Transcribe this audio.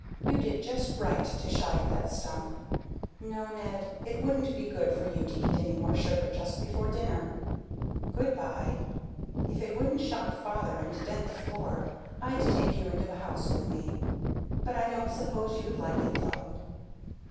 You did just right to shy at that stump. No, Ned, it wouldn't be good for you to eat any more sugar just before dinner. Good by. If it wouldn't shock father and dent the floor, I'd take you into the house with me. But I don't suppose you'd like it, though."